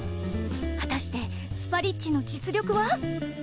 果たしてスパリッチの実力は？